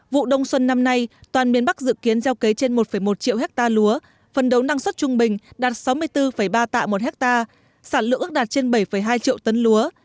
vụ đông xuân năm nay toàn miền bắc dự kiến gieo cấy trên một một triệu hectare lúa phân đấu năng suất trung bình đạt sáu mươi bốn ba tạ một ha sản lượng ước đạt trên bảy hai triệu tấn lúa